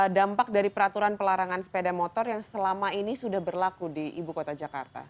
dampak dari peraturan pelarangan sepeda motor yang selama ini sudah berlaku di ibu kota jakarta